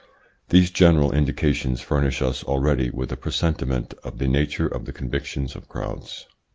These general indications furnish us already with a presentiment of the nature of the convictions of crowds.